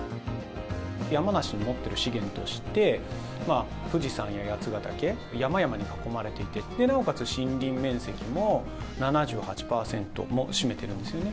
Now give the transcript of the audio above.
山梨の持ってる資源として、富士山や八ヶ岳、山々に囲まれていて、なおかつ森林面積も７８％も占めてるんですよね。